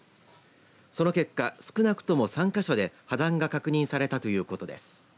その結果、少なくとも３か所で破断が確認されたということです。